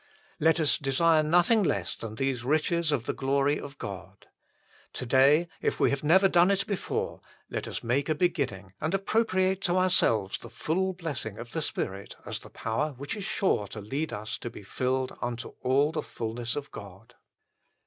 ] Let us desire nothing less than these riches of the glory of God. To day, if we have never done it before, let us make a beginning and appropriate to ourselves the full blessing of the Spirit as the power which is sure to lead us to be " filled unto all the fulness of God."